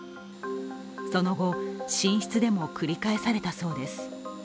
その後、寝室でも繰り返されたそうです。